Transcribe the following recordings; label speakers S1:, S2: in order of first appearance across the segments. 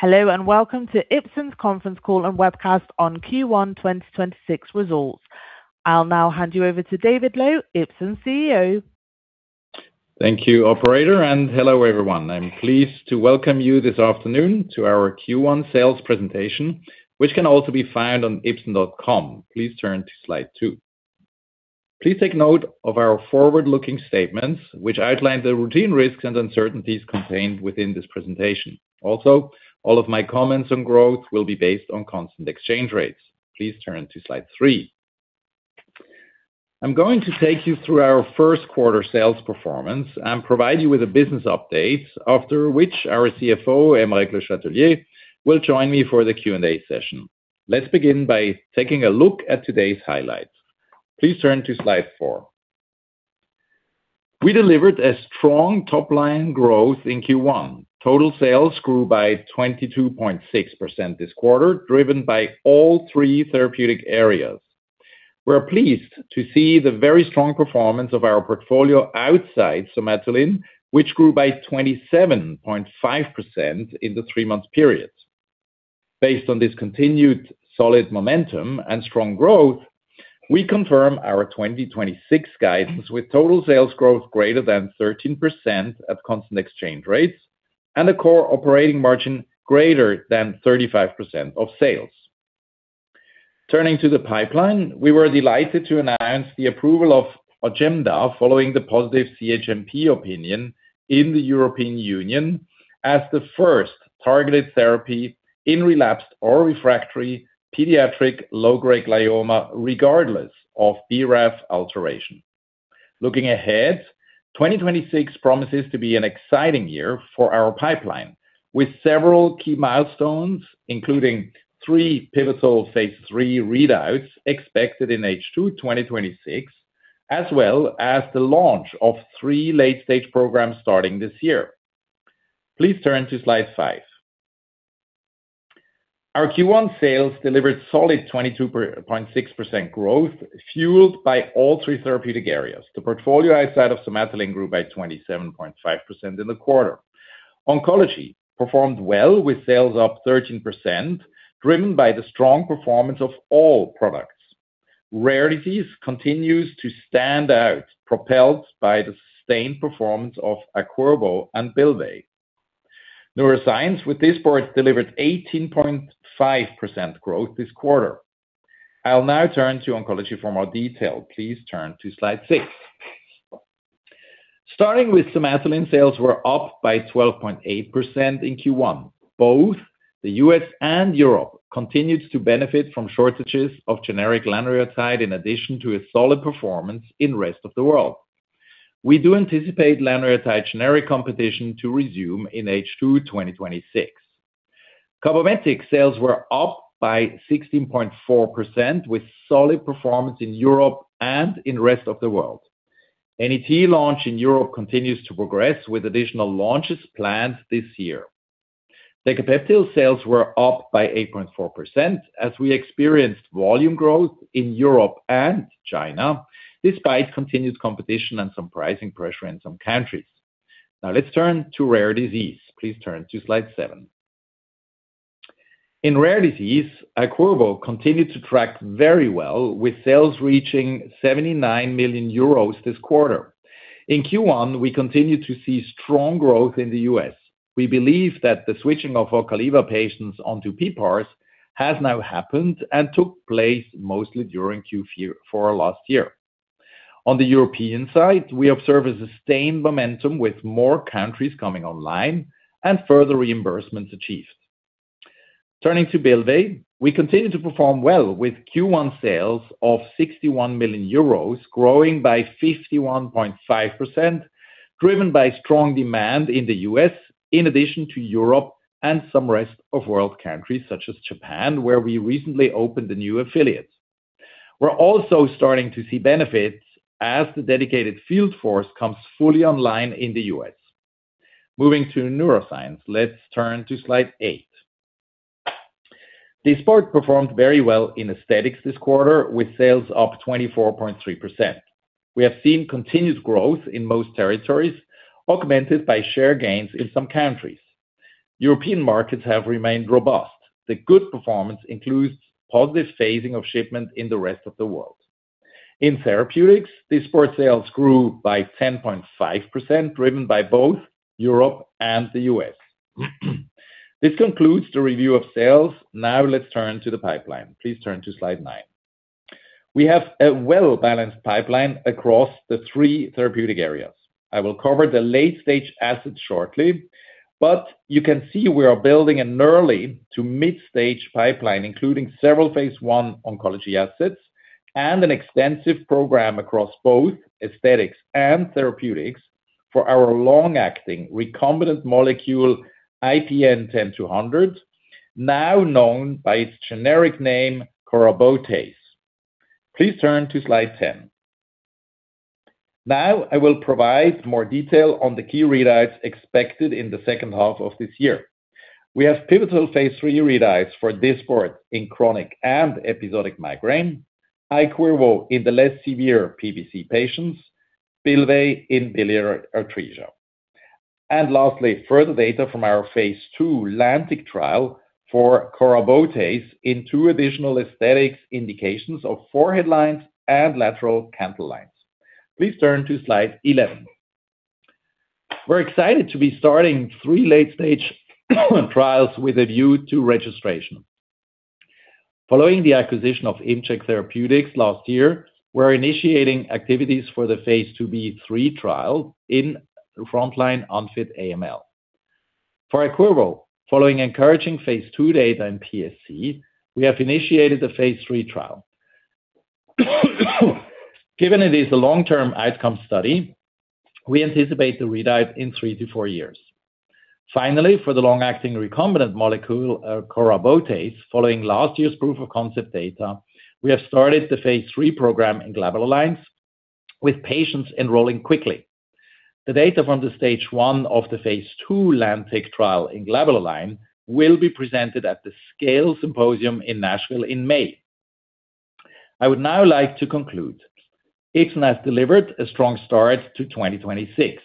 S1: Hello, and welcome to Ipsen's Conference Call and Webcast on Q1 2026 results. I'll now hand you over to David Loew, Ipsen's CEO.
S2: Thank you, operator, and hello, everyone. I'm pleased to welcome you this afternoon to our Q1 sales presentation, which can also be found on ipsen.com. Please turn to slide two. Please take note of our forward-looking statements, which outline the routine risks and uncertainties contained within this presentation. Also, all of my comments on growth will be based on constant exchange rates. Please turn to slide three. I'm going to take you through our first quarter sales performance and provide you with a business update, after which our CFO, Aymeric Le Chatelier, will join me for the Q&A session. Let's begin by taking a look at today's highlights. Please turn to slide four. We delivered a strong top-line growth in Q1. Total sales grew by 22.6% this quarter, driven by all three therapeutic areas. We're pleased to see the very strong performance of our portfolio outside Somatuline, which grew by 27.5% in the three-month period. Based on this continued solid momentum and strong growth, we confirm our 2026 guidance with total sales growth greater than 13% at constant exchange rates and a core operating margin greater than 35% of sales. Turning to the pipeline, we were delighted to announce the approval of Ojemda following the positive CHMP opinion in the European Union as the first targeted therapy in relapsed or refractory pediatric low-grade glioma, regardless of BRAF alteration. Looking ahead, 2026 promises to be an exciting year for our pipeline, with several key milestones, including three pivotal phase III readouts expected in H2 2026, as well as the launch of three late-stage programs starting this year. Please turn to slide five. Our Q1 sales delivered solid 22.6% growth, fueled by all three therapeutic areas. The portfolio outside of Somatuline grew by 27.5% in the quarter. Oncology performed well with sales up 13%, driven by the strong performance of all products. Rare disease continues to stand out, propelled by the sustained performance of Iqirvo and Bylvay. Neuroscience with Dysport delivered 18.5% growth this quarter. I'll now turn to oncology for more detail. Please turn to slide six. Starting with Somatuline, sales were up by 12.8% in Q1. Both the U.S. and Europe continued to benefit from shortages of generic lanreotide in addition to a solid performance in rest of the world. We do anticipate lanreotide generic competition to resume in H2 2026. Cabometyx sales were up by 16.4% with solid performance in Europe and in rest of the world. NET launch in Europe continues to progress with additional launches planned this year. Decapeptyl sales were up by 8.4% as we experienced volume growth in Europe and China, despite continued competition and some pricing pressure in some countries. Now let's turn to rare disease. Please turn to slide seven. In rare disease, Iqirvo continued to track very well with sales reaching 79 million euros this quarter. In Q1, we continued to see strong growth in the U.S. We believe that the switching of Ocaliva patients onto PPARs has now happened and took place mostly during Q4 last year. On the European side, we observe a sustained momentum with more countries coming online and further reimbursements achieved. Turning to Bylvay, we continue to perform well with Q1 sales of 61 million euros, growing by 51.5%, driven by strong demand in the U.S. in addition to Europe and some rest of world countries such as Japan, where we recently opened a new affiliate. We're also starting to see benefits as the dedicated field force comes fully online in the U.S. Moving to neuroscience, let's turn to slide eight. Dysport performed very well in aesthetics this quarter with sales up 24.3%. We have seen continuous growth in most territories, augmented by share gains in some countries. European markets have remained robust. The good performance includes positive phasing of shipment in the rest of the world. In therapeutics, Dysport sales grew by 10.5%, driven by both Europe and the U.S. This concludes the review of sales. Now let's turn to the pipeline. Please turn to slide nine. We have a well-balanced pipeline across the three therapeutic areas. I will cover the late-stage assets shortly, but you can see we are building an early to mid-stage pipeline, including several phase I oncology assets and an extensive program across both aesthetics and therapeutics for our long-acting recombinant molecule IPN10200, now known by its generic name, Corabotase. Please turn to slide 10. Now, I will provide more detail on the key readouts expected in the second half of this year. We have pivotal phase III readouts for Dysport in chronic and episodic migraine, Iqirvo in the less severe PBC patients, Bylvay in biliary atresia. Lastly, further data from our phase II LANTIC trial for Corabotase in two additional aesthetics indications of forehead lines and lateral canthal lines. Please turn to slide 11. We're excited to be starting three late-stage trials with a view to registration. Following the acquisition of ImCheck Therapeutics last year, we're initiating activities for the phase IIb/III trial in frontline unfit AML. For Iqirvo, following encouraging phase II data in PSC, we have initiated a phase III trial. Given it is a long-term outcome study, we anticipate the readout in three-four years. Finally, for the long-acting recombinant molecule, Corabotase, following last year's proof of concept data, we have started the phase III program in glabellar lines with patients enrolling quickly. The data from the stage one of the phase II LANTIC trial in glabellar lines will be presented at the SCALE Symposium in Nashville in May. I would now like to conclude. Ipsen has delivered a strong start to 2026.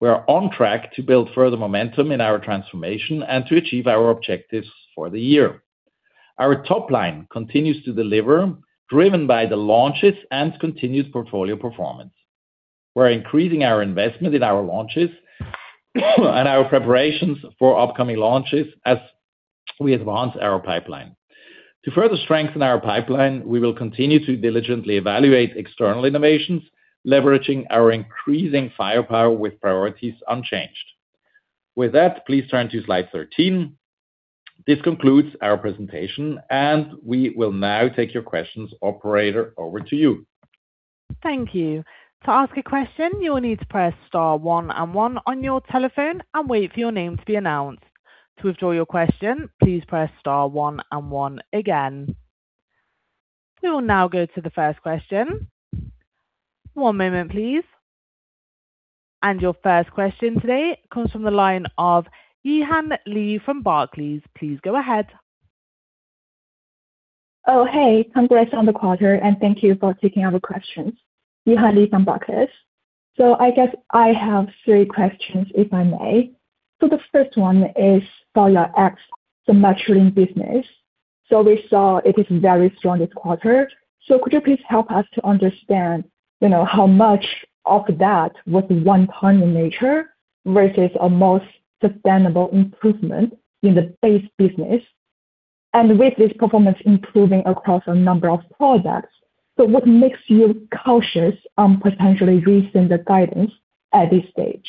S2: We are on track to build further momentum in our transformation and to achieve our objectives for the year. Our top-line continues to deliver, driven by the launches and continued portfolio performance. We're increasing our investment in our launches and our preparations for upcoming launches as we advance our pipeline. To further strengthen our pipeline, we will continue to diligently evaluate external innovations, leveraging our increasing firepower with priorities unchanged. With that, please turn to slide 13. This concludes our presentation, and we will now take your questions. Operator, over to you.
S1: Thank you. To ask a question, you will need to press star one and one on your telephone and wait for your name to be announced. To withdraw your question, please press star one and one again. We will now go to the first question. One moment, please. Your first question today comes from the line of Yihan Li from Barclays. Please go ahead.
S3: Oh, hey. Congrats on the quarter, and thank you for taking our questions. Yihan Li from Barclays. I guess I have three questions, if I may. The first one is for your ex-Somatuline business. We saw it is very strong this quarter. Could you please help us to understand how much of that was one-time in nature versus a more sustainable improvement in the base business? With this performance improving across a number of products, what makes you cautious on potentially raising the guidance at this stage?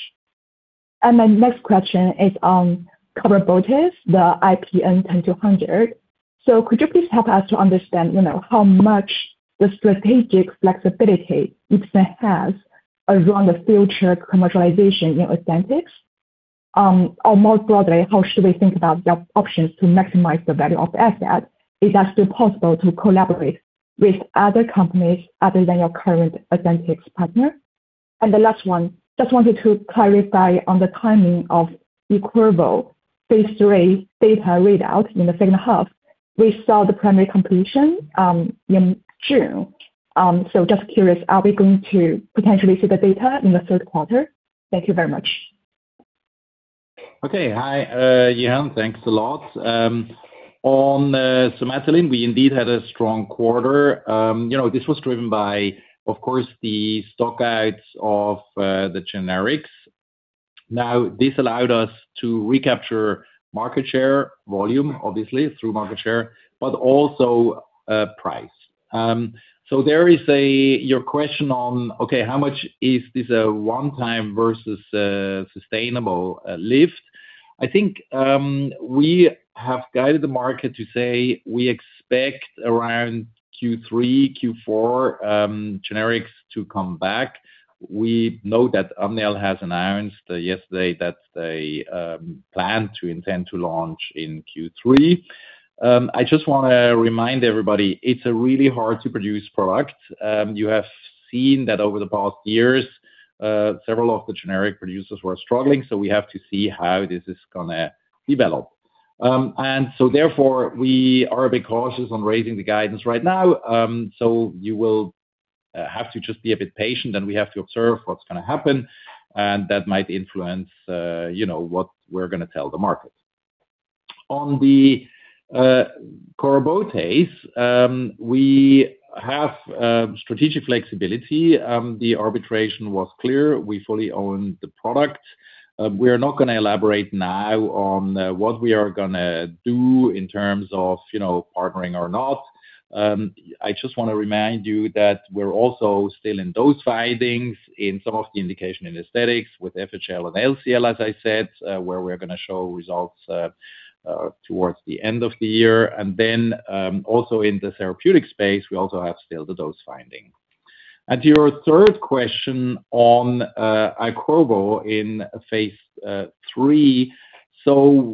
S3: My next question is on Corabotase, the IPN10200. Could you please help us to understand how much the strategic flexibility Ipsen has around the future commercialization in Authentics? Or more broadly, how should we think about your options to maximize the value of the asset? Is that still possible to collaborate with other companies other than your current Authentics partner? The last one, just wanted to clarify on the timing of Iqirvo phase III data readout in the second half. We saw the primary completion in June. Just curious, are we going to potentially see the data in the third quarter? Thank you very much.
S2: Okay. Hi, Yihan. Thanks a lot. On Somatuline, we indeed had a strong quarter. This was driven by, of course, the stock outs of the generics. Now, this allowed us to recapture market share volume, obviously through market share, but also price. So there is your question on, okay, how much is this a one-time versus sustainable lift? I think we have guided the market to say we expect around Q3, Q4 generics to come back. We know that Amneal has announced yesterday that they plan to intend to launch in Q3. I just want to remind everybody, it's a really hard-to-produce product. You have seen that over the past years, several of the generic producers were struggling, so we have to see how this is going to develop. We are a bit cautious on raising the guidance right now. You will have to just be a bit patient, and we have to observe what's going to happen, and that might influence what we're going to tell the market. On the Corabotase, we have strategic flexibility. The arbitration was clear. We fully own the product. We are not going to elaborate now on what we are going to do in terms of partnering or not. I just want to remind you that we're also still in those findings in some of the indication in aesthetics with FHL and LCL, as I said, where we're going to show results towards the end of the year. Then also in the therapeutic space, we also have still the dose finding. To your third question on Iqirvo in phase III.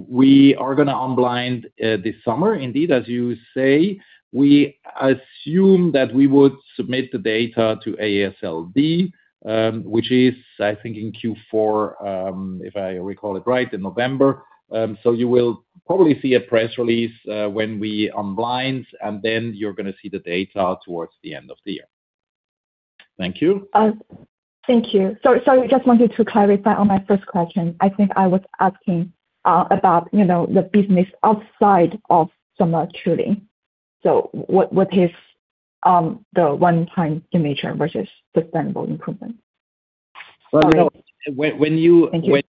S2: We are going to unblind this summer. Indeed, as you say, we assume that we would submit the data to AASLD, which is, I think, in Q4, if I recall it right, in November. You will probably see a press release when we unblind, and then you're going to see the data towards the end of the year. Thank you.
S3: Thank you. Sorry, I just wanted to clarify on my first question. I think I was asking about the business outside of Somatuline. What is the one-time nature versus sustainable improvement?
S2: When you.
S3: Thank you.
S2: We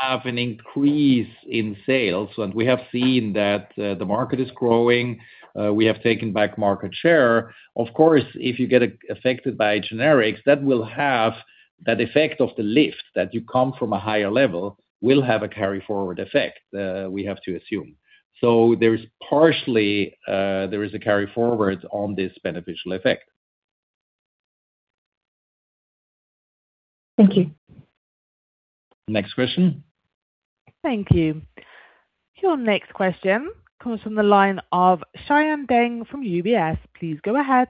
S2: have an increase in sales, and we have seen that the market is growing. We have taken back market share. Of course, if you get affected by generics, that will have that effect of the lift that you come from a higher level, will have a carry-forward effect, we have to assume. There is partially a carry-forward on this beneficial effect.
S3: Thank you.
S2: Next question.
S1: Thank you. Your next question comes from the line of Xian Deng from UBS. Please go ahead.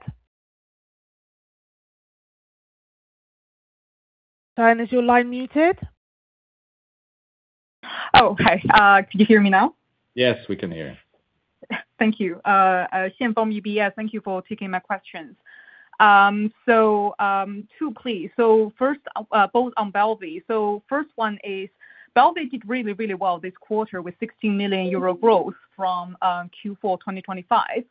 S1: Xian, is your line muted?
S4: Oh, okay. Could you hear me now?
S2: Yes, we can hear.
S4: Thank you. Xian from UBS. Thank you for taking my questions. Two please. First, both on Bylvay. First one is, Bylvay did really well this quarter with 16 million euro growth from Q4 2025.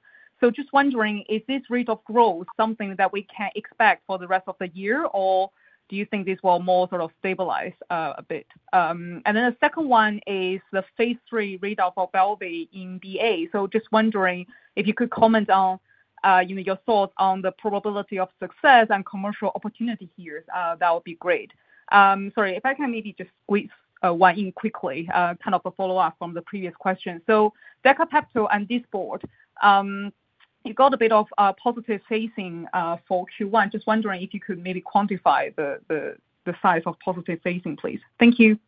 S4: Just wondering, is this rate of growth something that we can expect for the rest of the year, or do you think this will more sort of stabilize a bit? Then the second one is the phase III readout for Bylvay in BA. Just wondering if you could comment on your thoughts on the probability of success and commercial opportunity here. That would be great. Sorry, if I can maybe just squeeze one in quickly, kind of a follow-up from the previous question. Decapeptyl and Dysport. You got a bit of positive phasing for Q1. Just wondering if you could maybe quantify the size of positive phasing, please. Thank you.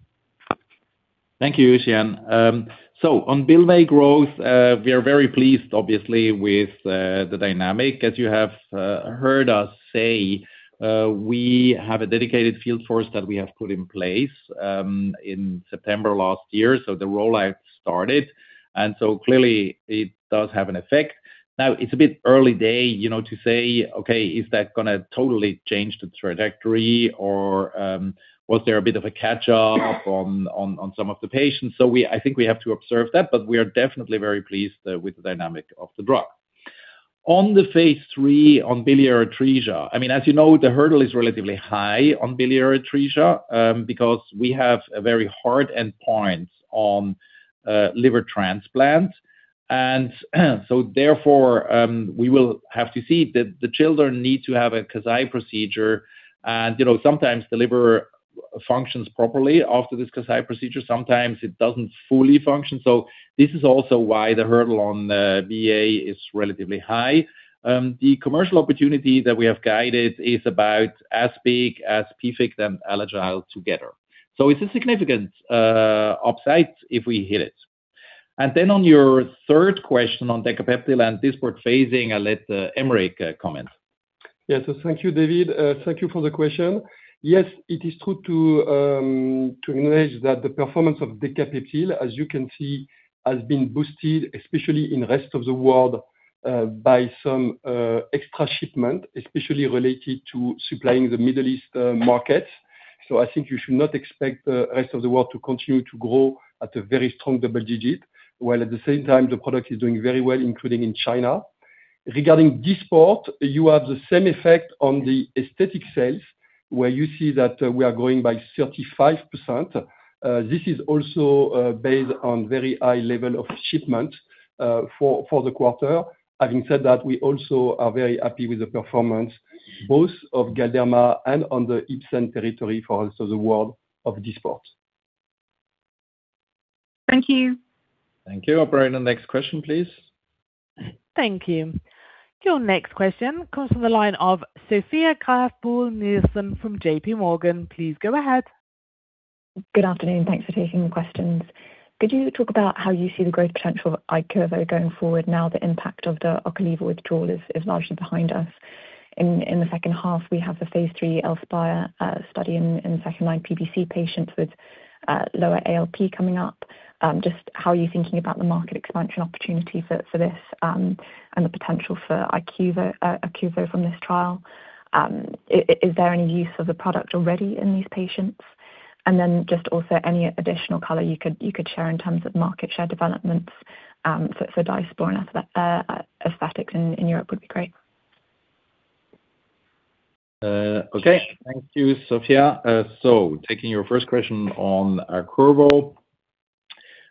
S2: Thank you, Xian. On Bylvay growth, we are very pleased, obviously, with the dynamic. As you have heard us say, we have a dedicated field force that we have put in place, in September last year. The rollout started, and so clearly it does have an effect. Now it's a bit early days to say, okay, is that going to totally change the trajectory or was there a bit of a catch-up on some of the patients? I think we have to observe that, but we are definitely very pleased with the dynamic of the drug. On the phase III on biliary atresia. As you know, the hurdle is relatively high on biliary atresia, because we have a very hard endpoint on liver transplant. Therefore, we will have to see that the children need to have a Kasai procedure and sometimes the liver functions properly after this Kasai procedure. Sometimes it doesn't fully function. This is also why the hurdle on BA is relatively high. The commercial opportunity that we have guided is about as big as PFIC and Alagille together. It's a significant upside if we hit it. On your third question on Decapeptyl and Dysport phasing, I'll let Aymeric comment.
S5: Yeah. Thank you, David. Thank you for the question. Yes, it is true to acknowledge that the performance of Decapeptyl, as you can see, has been boosted, especially in the rest of the world, by some extra shipment, especially related to supplying the Middle East markets. I think you should not expect the rest of the world to continue to grow at a very strong double-digit, while at the same time the product is doing very well, including in China. Regarding Dysport, you have the same effect on the aesthetic sales, where you see that we are growing by 35%. This is also based on very high level of shipment for the quarter. Having said that, we also are very happy with the performance, both of Galderma and on the Ipsen territory for also the world of Dysport.
S4: Thank you.
S2: Thank you. Operator, next question, please.
S1: Thank you. Your next question comes from the line of Sophia Graeff Buhl-Nielsen from JPMorgan. Please go ahead.
S6: Good afternoon. Thanks for taking the questions. Could you talk about how you see the growth potential of Iqirvo going forward now the impact of the Ocaliva withdrawal is largely behind us. In the second half, we have the phase III ELSPIRE study in second-line PBC patients with lower ALP coming up. Just how are you thinking about the market expansion opportunity for this, and the potential for Iqirvo from this trial? Is there any use of the product already in these patients? And then just also any additional color you could share in terms of market share developments for Dysport and aesthetics in Europe would be great.
S2: Okay. Thank you, Sophia. Taking your first question on Iqirvo.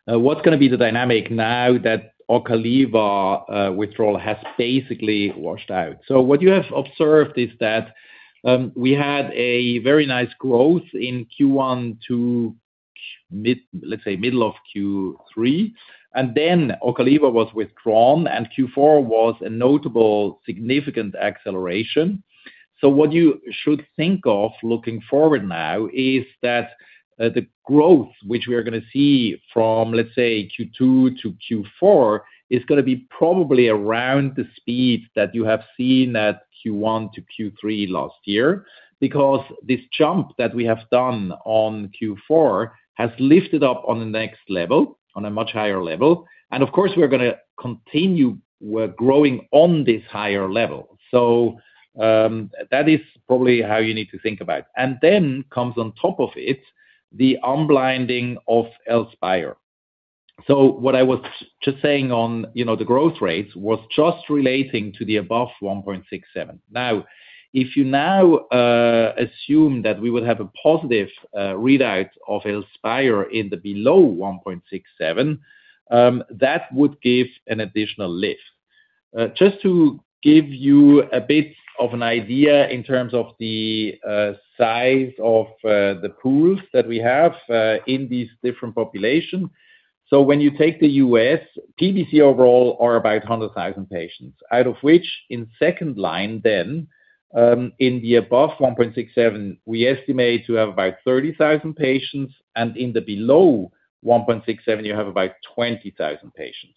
S2: What's going to be the dynamic now that Ocaliva withdrawal has basically washed out? What you have observed is that we had a very nice growth in Q1 to, let's say middle of Q3, and then Ocaliva was withdrawn and Q4 was a notable significant acceleration. What you should think of looking forward now is that the growth which we're going to see from, let's say Q2-Q4, is going to be probably around the speed that you have seen at Q1-Q3 last year. Because this jump that we have done on Q4 has lifted up on the next level, on a much higher level, and of course, we're going to continue growing on this higher level. That is probably how you need to think about it. Then comes on top of it, the unblinding of ELSPIRE. What I was just saying on the growth rates was just relating to the above 1.67. Now, if you now assume that we would have a positive readout of ELSPIRE in the below 1.67, that would give an additional lift. Just to give you a bit of an idea in terms of the size of the pools that we have in these different population. When you take the U.S., PBC overall are about 100,000 patients, out of which in second line then, in the above 1.67, we estimate to have about 30,000 patients, and in the below 1.67, you have about 20,000 patients.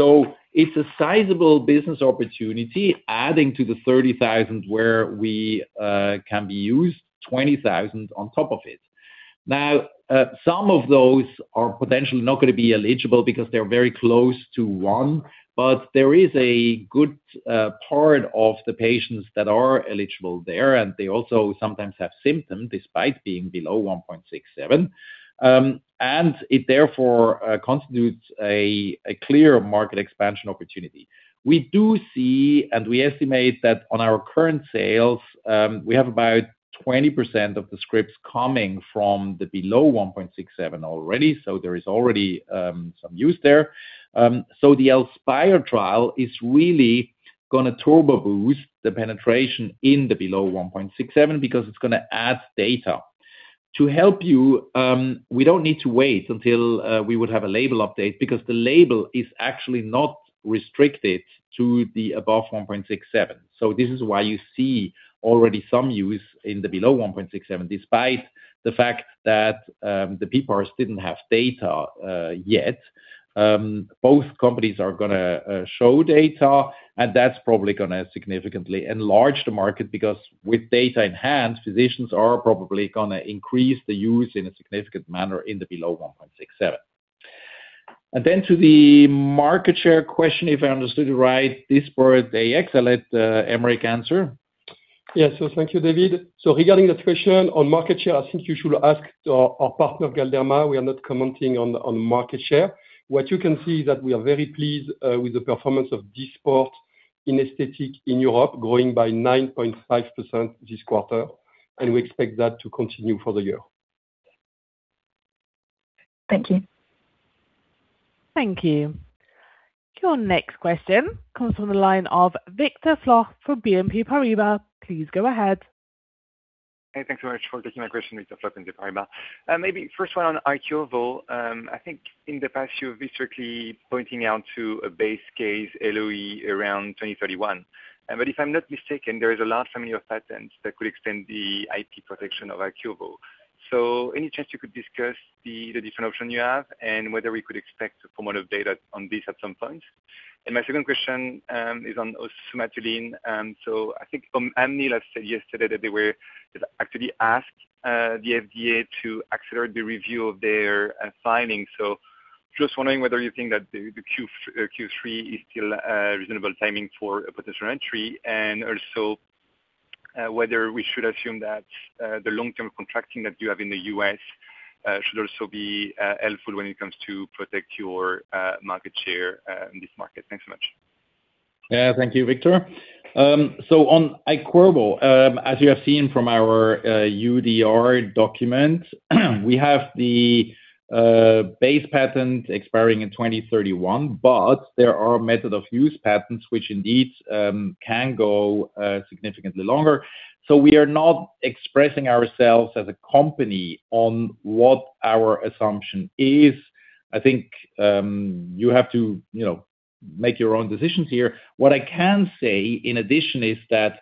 S2: It's a sizable business opportunity adding to the 30,000 where we can be used 20,000 on top of it. Now, some of those are potentially not going to be eligible because they're very close to one, but there is a good part of the patients that are eligible there, and they also sometimes have symptoms despite being below 1.67. It therefore constitutes a clear market expansion opportunity. We do see and we estimate that on our current sales, we have about 20% of the scripts coming from the below 1.67 already. There is already some use there. The ELSPIRE trial is really going to turbo boost the penetration in the below 1.67 because it's going to add data. To help you, we don't need to wait until we would have a label update because the label is actually not restricted to the above 1.67. This is why you see already some use in the below 1.67, despite the fact that the people didn't have data yet. Both companies are going to show data, and that's probably going to significantly enlarge the market because with data in hand, physicians are probably going to increase the use in a significant manner in the below 1.67. Then to the market share question, if I understood right, this for [AX], I let Aymeric answer.
S5: Yes. Thank you, David. Regarding the question on market share, I think you should ask our partner Galderma. We are not commenting on market share. What you can see is that we are very pleased with the performance of Dysport in aesthetics in Europe, growing by 9.5% this quarter, and we expect that to continue for the year.
S6: Thank you.
S1: Thank you. Your next question comes from the line of Victor Floc'h for BNP Paribas. Please go ahead.
S7: Hey, thanks so much for taking my question. [It's Victor Floc'h from BNP Paribas]. Maybe first one on Iqirvo. I think in the past you've been strictly pointing out to a base case LOE around 2031. If I'm not mistaken, there is a large family of patents that could extend the IP protection of Iqirvo. Any chance you could discuss the different options you have and whether we could expect formative data on this at some point? My second question is on Somatuline. I think Amneal said yesterday that they actually asked the FDA to accelerate the review of their filings. Just wondering whether you think that the Q3 is still a reasonable timing for a potential entry and also whether we should assume that the long-term contracting that you have in the U.S. should also be helpful when it comes to protect your market share in this market? Thanks so much.
S2: Yeah. Thank you, Victor. On Iqirvo, as you have seen from our URD document we have the base patent expiring in 2031. But there are method of use patents which indeed can go significantly longer. We are not expressing ourselves as a company on what our assumption is. I think you have to make your own decisions here. What I can say, in addition, is that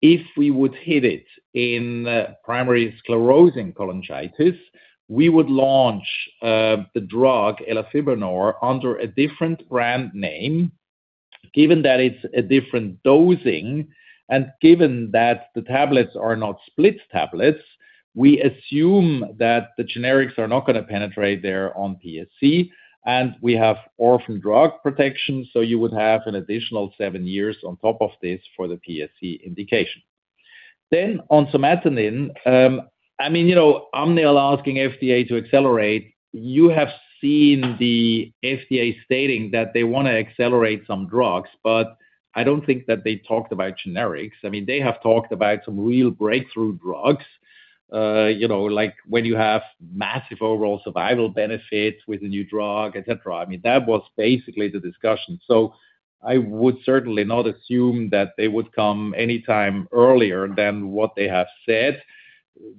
S2: if we would hit it in primary sclerosing cholangitis, we would launch the drug, elafibranor, under a different brand name. Given that it's a different dosing and given that the tablets are not split tablets, we assume that the generics are not going to penetrate there on PSC, and we have orphan drug protection. You would have an additional seven years on top of this for the PSC indication. On Somatuline, Amneal asking FDA to accelerate, you have seen the FDA stating that they want to accelerate some drugs, but I don't think that they talked about generics. They have talked about some real breakthrough drugs, like when you have massive overall survival benefit with a new drug, etc. That was basically the discussion. I would certainly not assume that they would come any time earlier than what they have said.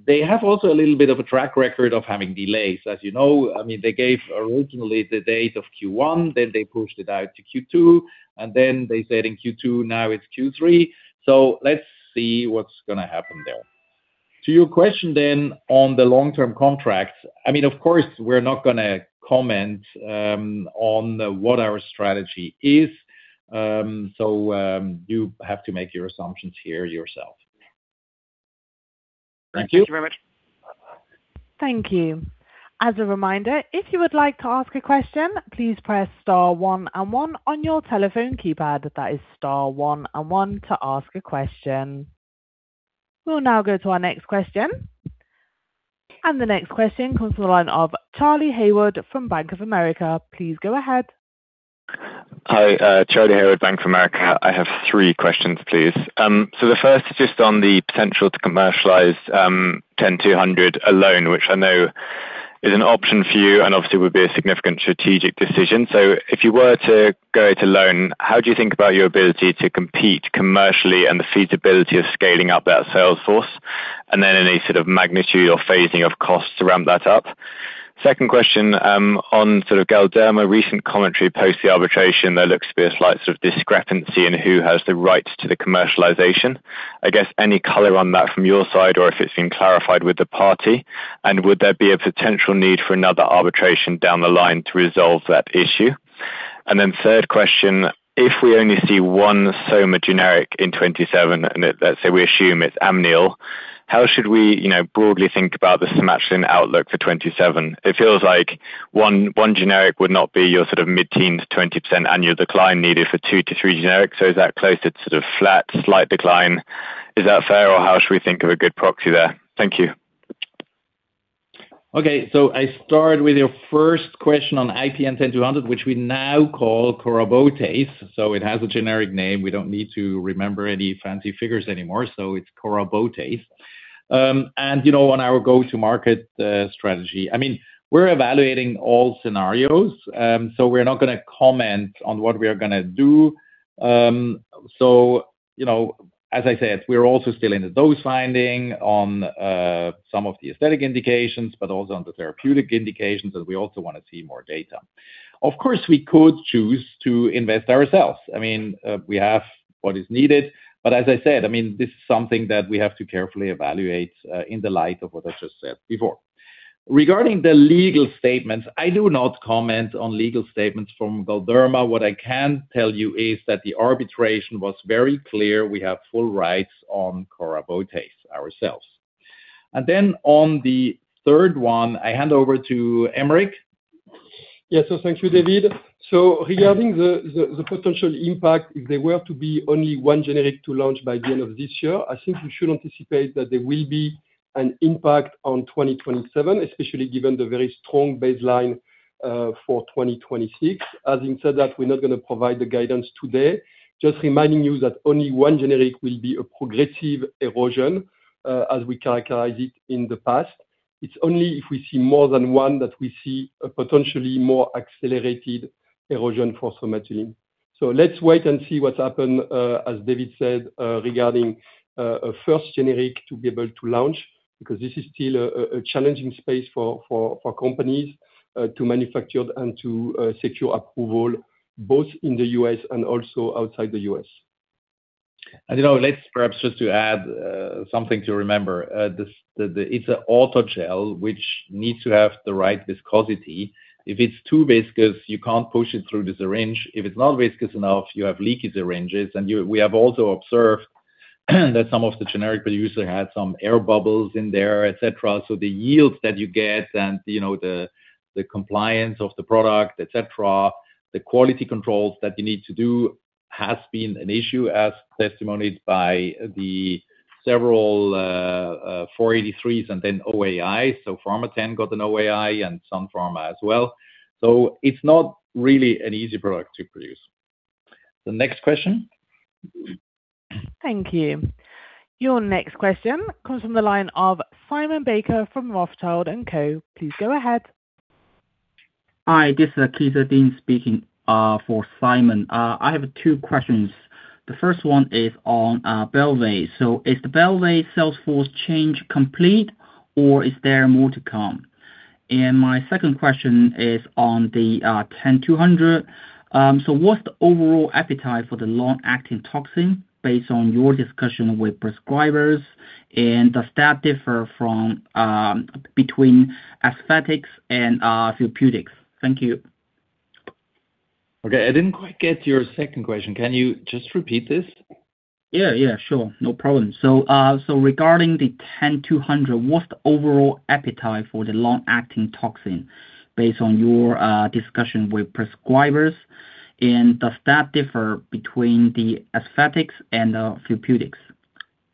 S2: They have also a little bit of a track record of having delays. As you know, they gave originally the date of Q1, then they pushed it out to Q2, and then they said in Q2, now it's Q3. Let's see what's going to happen there. To your question then on the long-term contracts, of course, we're not going to comment on what our strategy is. You have to make your assumptions here yourself. Thank you.
S7: Thank you very much.
S1: Thank you. As a reminder, if you would like to ask a question, please press star one and one on your telephone keypad. That is star one and one to ask a question. We'll now go to our next question. The next question comes from the line of Charlie Haywood from Bank of America. Please go ahead.
S8: Hi. Charlie Haywood from Bank of America. I have three questions, please. The first is just on the potential to commercialize IPN10200 alone, which I know is an option for you and obviously would be a significant strategic decision. If you were to go it alone, how do you think about your ability to compete commercially and the feasibility of scaling up that sales force? Then any sort of magnitude or phasing of costs to ramp that up. Second question on sort of Galderma recent commentary post the arbitration. There looks to be a slight sort of discrepancy in who has the rights to the commercialization. I guess any color on that from your side or if it's been clarified with the party. Would there be a potential need for another arbitration down the line to resolve that issue? Third question, if we only see one Somatuline generic in 2027, and let's say we assume it's Amneal, how should we broadly think about the Somatuline outlook for 2027? It feels like one generic would not be your sort of mid-teens to 20% annual decline needed for two to three generics. Is that close to sort of flat, slight decline? Is that fair or how should we think of a good proxy there? Thank you.
S2: Okay. I start with your first question on IPN10200, which we now call Corabotase. It has a generic name. We don't need to remember any fancy figures anymore. It's Corabotase. On our go-to-market strategy, we're evaluating all scenarios. We're not going to comment on what we are going to do. As I said, we're also still in the dose finding on some of the aesthetic indications, but also on the therapeutic indications, and we also want to see more data. Of course, we could choose to invest ourselves. We have what is needed. But as I said, this is something that we have to carefully evaluate in the light of what I just said before. Regarding the legal statements, I do not comment on legal statements from Galderma. What I can tell you is that the arbitration was very clear. We have full rights on Corabotase ourselves. On the third one, I hand over to Aymeric.
S5: Yeah. Thank you, David. Regarding the potential impact, if there were to be only one generic to launch by the end of this year, I think we should anticipate that there will be an impact on 2027, especially given the very strong baseline for 2026. Having said that, we're not going to provide the guidance today. Just reminding you that only one generic will be a progressive erosion, as we characterize it in the past. It's only if we see more than one that we see a potentially more accelerated erosion for Somatuline. Let's wait and see what's happened, as David said, regarding a first generic to be able to launch, because this is still a challenging space for companies to manufacture and to secure approval, both in the U.S. and also outside the U.S.
S2: Let's perhaps just to add something to remember. It's an Autogel, which needs to have the right viscosity. If it's too viscous, you can't push it through the syringe. If it's not viscous enough, you have leaky syringes. We have also observed that some of the generic producer had some air bubbles in there, etc. The yields that you get and the compliance of the product, etc, the quality controls that you need to do has been an issue as testified by the several 483s and then OAI. Pharma10 got an OAI and Sun Pharma as well. It's not really an easy product to produce. The next question.
S1: Thank you. Your next question comes from the line of Simon Baker from Rothschild & Co. Please go ahead.
S9: Hi, this is [Keith Dean] speaking, for Simon. I have two questions. The first one is on Bylvay. Is the Bylvay sales force change complete or is there more to come? My second question is on the 10200. What's the overall appetite for the long-acting toxin based on your discussion with prescribers? And does that differ between aesthetics and therapeutics? Thank you.
S2: Okay. I didn't quite get your second question. Can you just repeat this?
S9: Yeah. Sure. No problem. Regarding the 10200, what's the overall appetite for the long-acting toxin based on your discussion with prescribers? Does that differ between the aesthetics and therapeutics?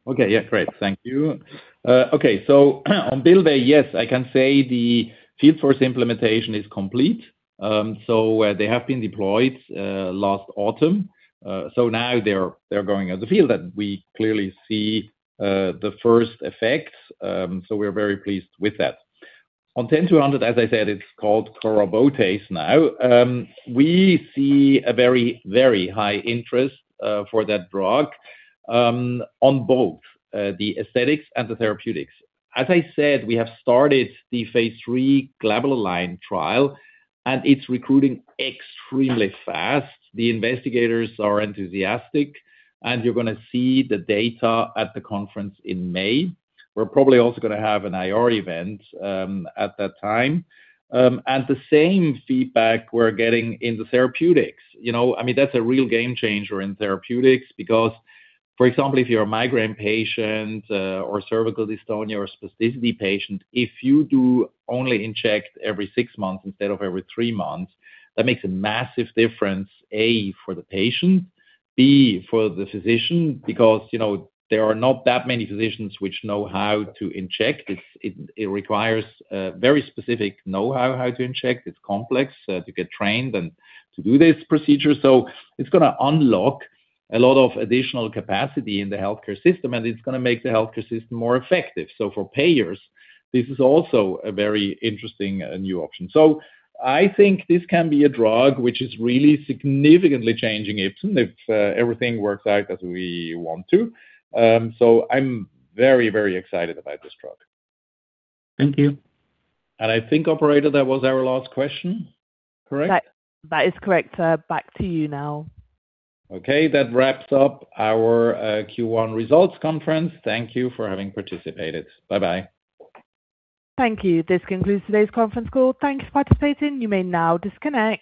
S2: Okay. Yeah. Great. Thank you. Okay. On Bylvay, yes, I can say the field force implementation is complete. They have been deployed last autumn. Now they're going out in the field, and we clearly see the first effects. We're very pleased with that. On 10200, as I said, it's called Corabotase now. We see a very high interest for that drug on both the aesthetics and the therapeutics. As I said, we have started the phase III glabellar lines trial, and it's recruiting extremely fast. The investigators are enthusiastic, and you're going to see the data at the conference in May. We're probably also going to have an IR event at that time. The same feedback we're getting in the therapeutics. That's a real game changer in therapeutics because, for example, if you're a migraine patient or cervical dystonia or spasticity patient, if you do only inject every six months instead of every three months, that makes a massive difference, A, for the patient, B, for the physician, because there are not that many physicians which know how to inject. It requires a very specific know-how how to inject. It's complex to get trained and to do this procedure. It's going to unlock a lot of additional capacity in the healthcare system, and it's going to make the healthcare system more effective. For payers, this is also a very interesting new option. I think this can be a drug which is really significantly changing if everything works out as we want to. I'm very excited about this drug.
S9: Thank you.
S2: I think, operator, that was our last question. Correct?
S1: That is correct, sir. Back to you now.
S2: Okay. That wraps up our Q1 results conference. Thank you for having participated. Bye-bye.
S1: Thank you. This concludes today's conference call. Thank you for participating. You may now disconnect.